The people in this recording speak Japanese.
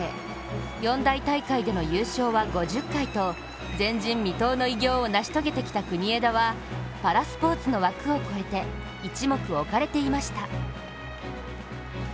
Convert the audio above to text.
四大大会での優勝は５０回と前人未到の偉業を成し遂げてきた国枝は、パラスポーツの枠を超えて一目置かれていました。